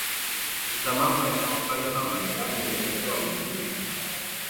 za mambo yanayofanywa na marekani mmiliki wa wiki leaks